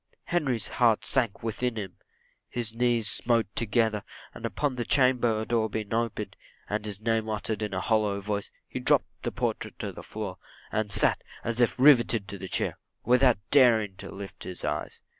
Henry's heart sunk within him his knees smote together, and upon the chamber door being opened, and his name uttered in a hollow voice, he dropped the portrait to the floor; and sat, as if rivitted to the chair, without daring to lift up his eyes.